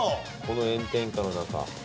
この炎天下の中。